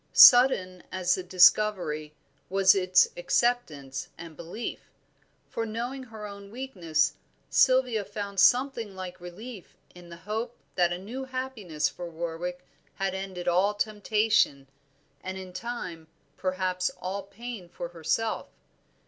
Sudden as the discovery was its acceptance and belief; for, knowing her own weakness, Sylvia found something like relief in the hope that a new happiness for Warwick had ended all temptation, and in time perhaps all pain for herself.